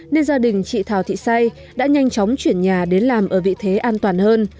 nên gia đình chị thảo thị say đã nhanh chóng chuyển nhà đến làm ở vị thế an toàn hơn